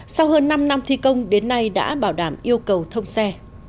sau hơn năm năm thi công đến nay đã bảo đảm yêu cầu thông xe